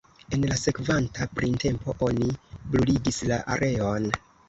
En la sekvanta printempo oni bruligis la areon.